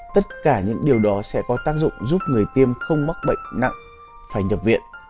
tất cả những điều đó sẽ có tác dụng giúp người tiêm không mắc bệnh nặng phải nhập viện